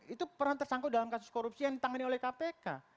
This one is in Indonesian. itu peran tersangkut dalam kasus korupsi yang ditangani oleh kpk